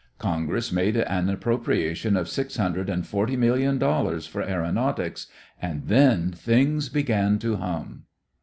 Congress made an appropriation of six hundred and forty million dollars for aëronautics, and then things began to hum.